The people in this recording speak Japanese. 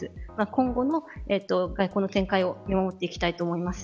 今後も外交の展開を見守っていきたいと思います。